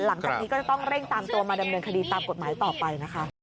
หลังจากนี้ก็จะต้องเร่งตามตัวมาดำเนินคดีตามกฎหมายต่อไปนะคะ